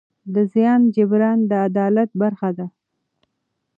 د زیان جبران د عدالت برخه ده.